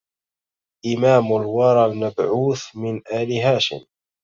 إمام الورى المبعوث من آل هاشم